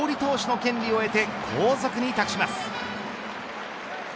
勝利投手の権利を得て後続に託します。